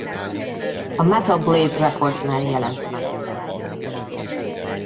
A Metal Blade Recordsnál jelent meg.